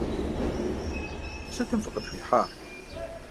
Сытым фыкъытхуихьа?